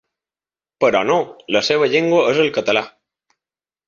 Però no, la seva llengua és el català.